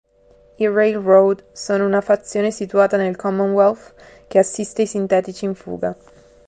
I Railroad sono una fazione situata nel Commonwealth che assiste i sintetici in fuga.